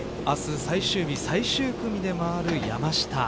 明日最終日、最終組で回る山下。